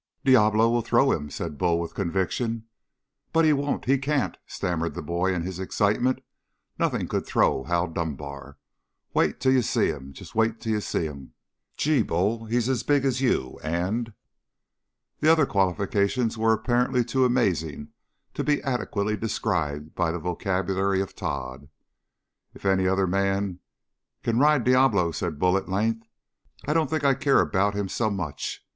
"Diablo will throw him," said Bull with conviction. "But he won't. He can't," stammered the boy in his excitement. "Nothing could throw Hal Dunbar. Wait till you see him! Just you wait till you see. Gee, Bull, he's as big as you and " The other qualifications were apparently too amazing to be adequately described by the vocabulary of Tod. "If any other man can ride Diablo," said Bull at length, "I don't think I care about him so much.